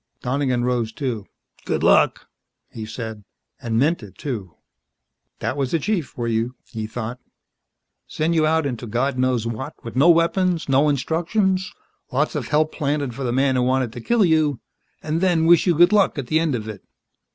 Donegan rose, too. "Good luck," he said. And meant it, too. That was the chief for you, he thought. Send you out into God knows what with no weapons, no instructions, lots of help planted for the man who wanted to kill you and then wish you good luck at the end of it.